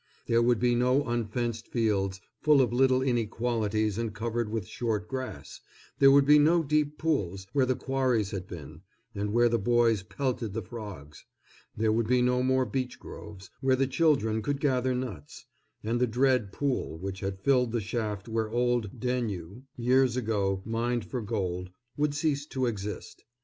There would be no unfenced fields, full of little inequalities and covered with short grass; there would be no deep pools, where the quarries had been, and where the boys pelted the frogs; there would be no more beech groves, where the children could gather nuts; and the dread pool, which had filled the shaft where old Daigneau, years ago, mined for gold, would cease to exist.